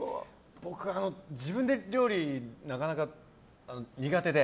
僕、自分で料理なかなか苦手で。